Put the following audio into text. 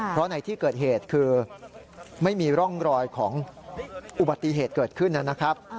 เพราะในที่เกิดเหตุคือไม่มีร่องรอยของอุบัติเหตุเกิดขึ้นนะครับ